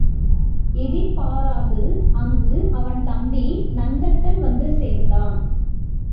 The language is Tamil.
எதிர்பாராது அங்கு அவன் தம்பி நந்தட்டன் வந்து சேர்ந்தான்.